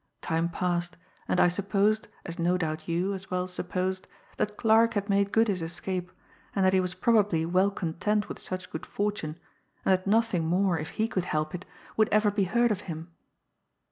Time passed, and I supposed, as no doubt you, as well, supposed, that Clarke had made good his escape, that he was probably well content with such good fortune, and that nothing more, if he could help it, would ever be heard of him.